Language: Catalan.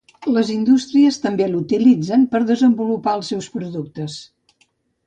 Les indústries també l'utilitzen per desenvolupar els seus productes.